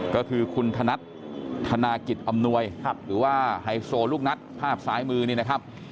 ก็คือคุณธนัดธนากิจอำนวยหรือว่าไฮโซลูกนัดภาพซ้ายมือนี่นะครับ